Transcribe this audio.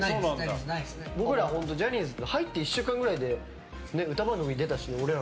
僕ら、本当ジャニーズに入って１週間くらいで歌番組出たしね。